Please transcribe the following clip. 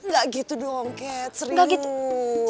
gak gitu dong cat serius